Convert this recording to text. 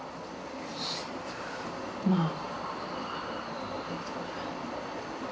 まあ。